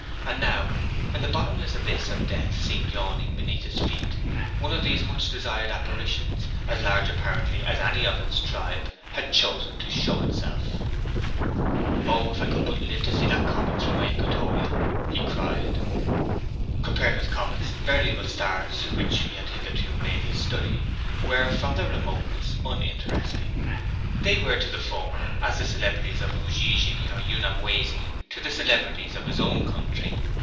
And now, when the bottomless abyss of death seemed yawning beneath his feet, one of these much desired apparitions, as large, apparently, as any of its tribe, had chosen to show itself. 'O, if I could but live to see that comet through my equatorial!' he cried. Compared with comets, variable stars, which he had hitherto made his study, were, from their remoteness, uninteresting. They were to the former as the celebrities of Ujiji or Unyamwesi to the celebrities of his own country.